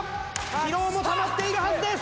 疲労もたまっているはずです！